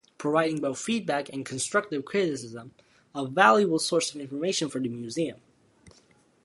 Providing both feedback and constructive criticism, a valuable source of information for the museum.